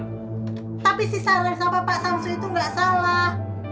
tapi sisaran sama pak samsu itu enggak salah